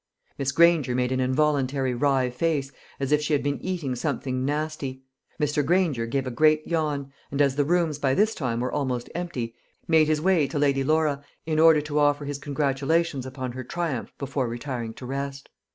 Miss Granger made an involuntary wry face, as if she had been eating something nasty. Mr. Granger gave a great yawn, and, as the rooms by this time were almost empty, made his way to Lady Laura in order to offer his congratulations upon her triumph before retiring to rest.